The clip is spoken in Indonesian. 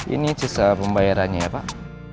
ini jasa pembayarannya ya pak